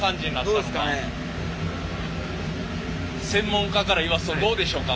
専門家から言わすとどうでしょうか？